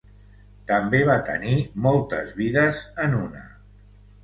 També va tenir moltes vides en una.